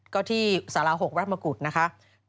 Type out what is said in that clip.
ก็ที่สาร๖รัฐมกุฎนะคะ